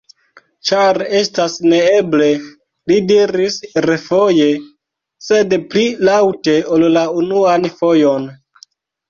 Ĉar estas neeble! li diris refoje, sed pli laŭte ol la unuan fojon.